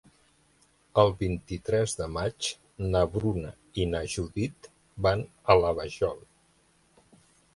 El vint-i-tres de maig na Bruna i na Judit van a la Vajol.